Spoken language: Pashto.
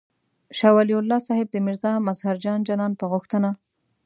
شاه ولي الله صاحب د میرزا مظهر جان جانان په غوښتنه.